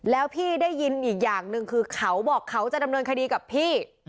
แล้วพี่ได้ยินอีกอย่างหนึ่งคือเขาบอกเขาจะดำเนินคดีกับพี่